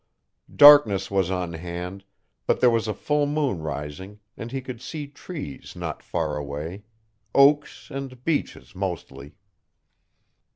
Darkness was on hand, but there was a full moon rising and he could see trees not far away oaks and beeches, mostly.